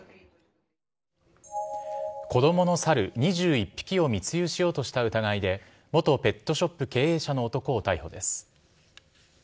子供のサル２１匹を密輸しようとした疑いで元ペットショップ経営者の男を逮捕です。